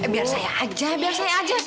biar saya aja biar saya aja